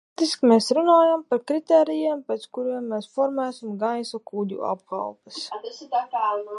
Tātad faktiski mēs runājam par kritērijiem, pēc kuriem mēs formēsim gaisa kuģu apkalpes.